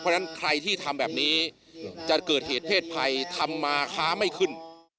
เพราะฉะนั้นใครที่ทำแบบนี้จะเกิดเหตุเพศภัยทำมาค้าไม่ขึ้น